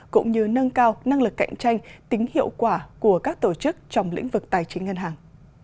cũng như nâng cao năng lực cạnh tranh tính hiệu quả của các tổ chức trong lĩnh vực tài chính ngân hàng